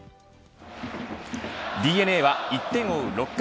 ＤｅＮＡは１点を追う６回。